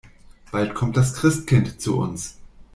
Bald kommt das Christkind zu uns.